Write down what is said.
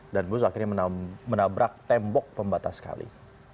dan bus akhirnya menabrak tembok pembatas sekali